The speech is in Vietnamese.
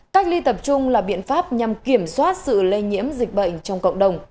cách ly tập trung là biện pháp nhằm kiểm soát sự lây nhiễm dịch bệnh trong cộng đồng